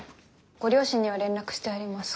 ご両親には連絡してあります。